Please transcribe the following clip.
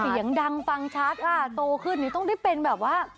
เสียงดังฟังชัดอ่ะโตขึ้นนี่ต้องได้เป็นแบบว่า